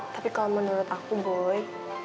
tapi kalau menurut aku boy